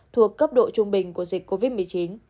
thuộc cấp độ trung bình của dịch covid một mươi chín